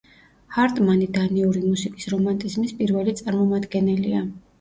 ჰარტმანი დანიური მუსიკის რომანტიზმის პირველი წარმომადგენელია.